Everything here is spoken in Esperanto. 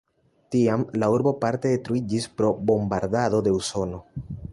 Tiam la urbo parte detruiĝis pro bombardado de Usono.